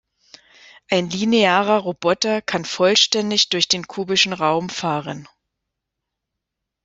Ein linearer Roboter kann vollständig durch den kubischen Raum fahren.